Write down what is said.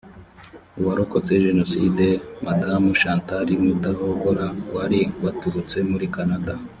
uwarokotse jenoside madamu chantal mudahogora wari waturutse muri canada